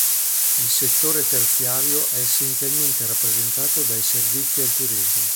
Il settore terziario è essenzialmente rappresentato dai servizi al turismo.